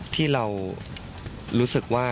ที่เรารู้สึกว่า